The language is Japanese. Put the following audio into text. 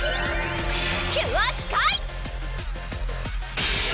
キュアスカイ！